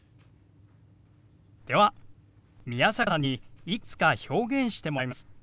では宮坂さんにいくつか表現してもらいます。